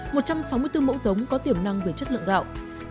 một trăm sáu mươi bốn mẫu giống có tiềm năng về chất lượng gạo